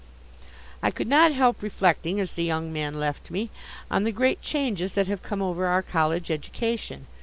I could not help reflecting, as the young man left me, on the great changes that have come over our college education.